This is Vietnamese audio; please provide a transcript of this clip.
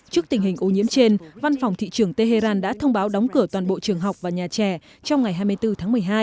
trước tình hình ô nhiễm trên văn phòng thị trường tehran đã thông báo đóng cửa toàn bộ trường học và nhà trẻ trong ngày hai mươi bốn tháng một mươi hai